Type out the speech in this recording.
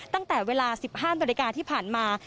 ตั้งแต่เวลา๑๕นาฬิกาที่ผ่านมา